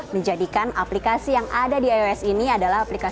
menjadikan aplikasi yang ada di ios ini adalah aplikasi